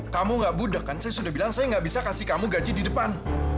kamu gak budak kan saya sudah bilang saya nggak bisa kasih kamu gaji di depan